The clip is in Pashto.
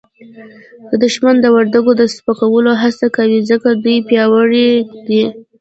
دښمنان د وردګو د سپکولو هڅه کوي ځکه دوی پیاوړي دي